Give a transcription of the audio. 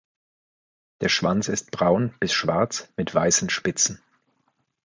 Der Schwanz ist braun bis schwarz mit weißen Spitzen.